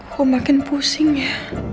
kok makin pusing ya